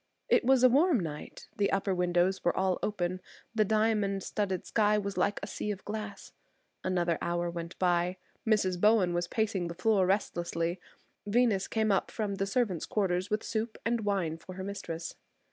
It was a warm night; the upper windows were all open; the diamond studded sky was like a sea of glass. Another hour went by. Mrs. Bowen was pacing the floor restlessly. Venus came up from the servants' quarters with soup and wine for her mistress.